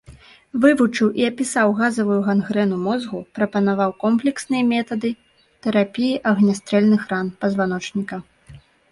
Вывучыў і апісаў газавую гангрэну мозгу, прапанаваў комплексныя метады тэрапіі агнястрэльных ран пазваночніка.